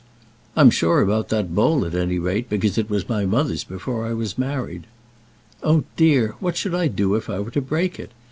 "I'm sure about that bowl at any rate, because it was my mother's before I was married." "Oh, dear, what should I do if I were to break it?